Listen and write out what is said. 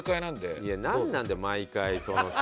いやなんなんだよ毎回そのさ。